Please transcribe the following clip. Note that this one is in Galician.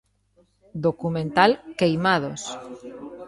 Documental 'Queimados'.